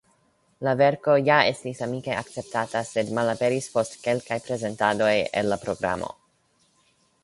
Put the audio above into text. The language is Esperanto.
La verko ja estis amike akceptata, sed malaperis post kelkaj prezentadoj el la programo.